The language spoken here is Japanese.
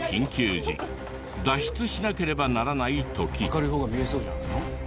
明るい方が見えそうじゃないの？